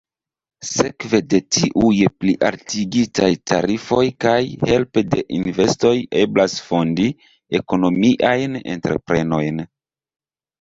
Sekve de tiuj plialtigitaj tarifoj kaj helpe de investoj eblas fondi ekonomiajn entreprenojn.